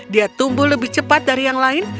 dia tumbuh lebih cepat dari yang lain